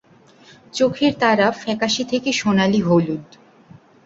চোখের তারা ফ্যাকাশে থেকে সোনালি হলুদ।